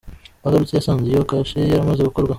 Agarutse yasanze iyo kashe yaramaze gukorwa.